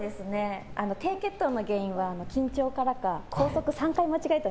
低血糖の原因は緊張からか高速を３回間違えてる。